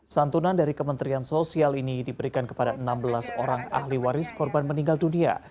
santunan dari kementerian sosial ini diberikan kepada enam belas orang ahli waris korban meninggal dunia